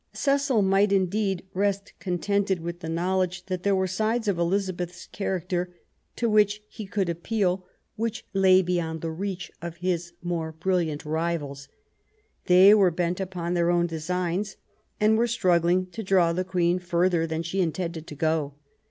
Cecil might indeed rest contented with the knowledge that there were sides of Eliza beth's character, to which he could appeal, which lay beyond the reach of his more brilliant rivals. They were bent upon their own designs, and were struggling to draw the Queen further than she intended to go.